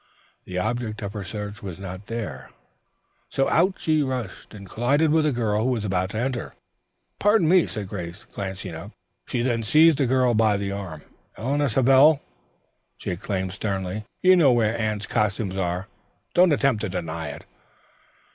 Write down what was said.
The object of her search was not there. Out she rushed and collided with a girl who was about to enter. "Pardon me," said Grace, glancing up, then seized the girl by the arm. "Eleanor Savell," she exclaimed sternly. "You know where Anne's costumes are. Don't attempt to deny it."